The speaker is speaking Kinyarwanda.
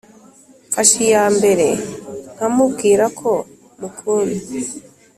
mfashe iyambere nkamubwira ko mukunda